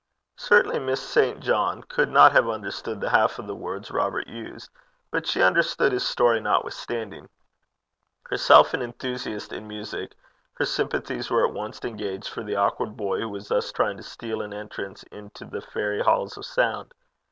Certainly Miss St. John could not have understood the half of the words Robert used, but she understood his story notwithstanding. Herself an enthusiast in music, her sympathies were at once engaged for the awkward boy who was thus trying to steal an entrance into the fairy halls of sound.